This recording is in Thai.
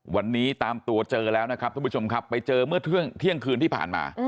วันนี้ตามตัวเจอแล้วนะครับท่านผู้ชมครับไปเจอเมื่อเที่ยงคืนที่ผ่านมา